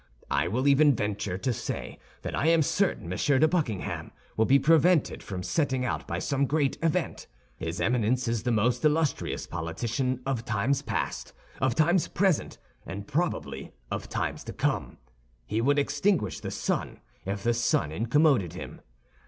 I will even venture to say that I am certain M. de Buckingham will be prevented from setting out by some great event. His Eminence is the most illustrious politician of times past, of times present, and probably of times to come. He would extinguish the sun if the sun incommoded him.